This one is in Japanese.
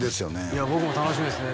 いや僕も楽しみですね